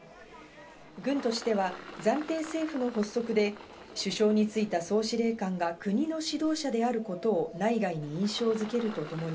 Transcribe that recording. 軍としては暫定政府の発足で首相に就いた総司令官が国の指導者であることを内外に印象づけるとともに、